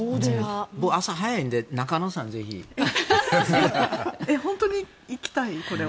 朝早いので中野さんぜひ。本当に行きたいこれは。